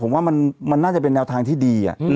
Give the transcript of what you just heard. มันน่าจะเป็นแนวทางที่ดีอะ